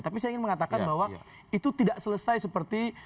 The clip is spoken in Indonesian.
tapi saya ingin mengatakan bahwa itu tidak selesai seperti